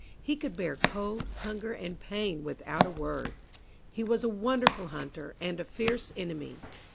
He could bear cold, hunger and pain without a word. He was a wonderful hunter and a fierce enemy.